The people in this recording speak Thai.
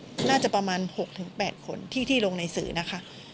น่าจะประมาณ๖๘คนที่ลงในสื่อนะคะ